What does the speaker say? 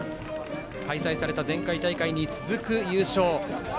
開催された前回大会に続く優勝。